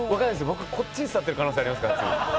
僕こっちに座ってる可能性ありますから次。